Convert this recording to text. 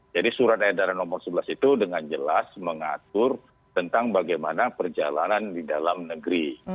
jadi surat edaran nomor sebelas itu dengan jelas mengatur tentang bagaimana perjalanan di dalam negeri